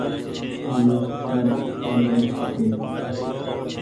سب ڀيڙي هون ۔